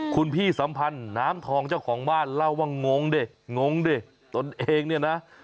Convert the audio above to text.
คุณพี่สัมพันธ์น้ำทองเจ้าของบ้านเล่าว่างงดิงงดิตนเองเนี่ยนะ